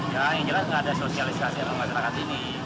yang jelas tidak ada sosialisasi dengan masyarakat ini